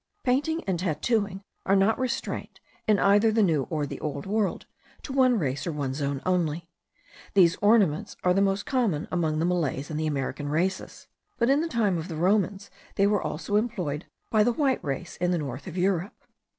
Painting and tattooing are not restrained, in either the New or the Old World, to one race or one zone only. These ornaments are most common among the Malays and American races; but in the time of the Romans they were also employed by the white race in the north of Europe.